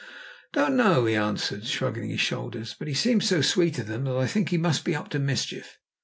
"Don't know," he answered, shrugging his shoulders, "but he seems so sweet on them that I think he must be up to mischief.